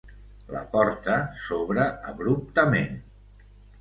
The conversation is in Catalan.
La porta s'obre abruptament.